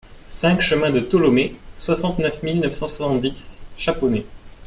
cinq chemin de Tholomé, soixante-neuf mille neuf cent soixante-dix Chaponnay